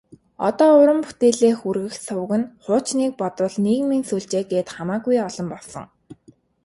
Одоо уран бүтээлээ хүргэх суваг нь хуучныг бодвол нийгмийн сүлжээ гээд хамаагүй олон болсон.